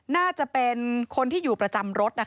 น่าจะเป็นคนที่อยู่ประจำรถ